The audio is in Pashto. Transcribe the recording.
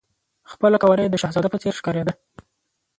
خپله قواره یې د شهزاده په څېر ښکارېده.